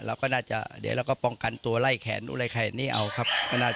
เดี๋ยวน่าจะต่อกันตัวไล่มุมแดกนี่หมดออกครับ